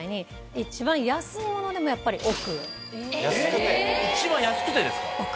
一番安くてですか？